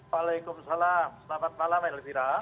waalaikumsalam selamat malam elvira